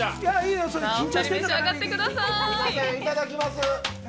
では、いただきます。